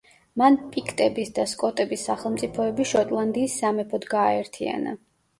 მან პიქტების და სკოტების სახელმწიფოები შოტლანდიის სამეფოდ გააერთიანა.